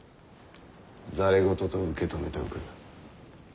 戯れ言と受け止めておく。